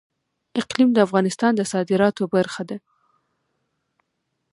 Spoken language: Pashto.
اقلیم د افغانستان د صادراتو برخه ده.